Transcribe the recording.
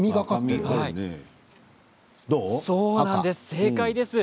正解です。